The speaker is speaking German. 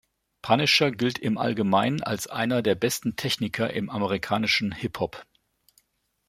Punisher gilt im Allgemeinen als einer der besten Techniker im amerikanischen Hip-Hop.